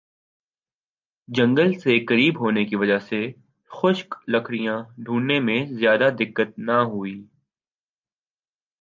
جنگل سے قریب ہونے کی وجہ سے خشک لکڑیاں ڈھونڈنے میں زیادہ دقت نہ ہوئی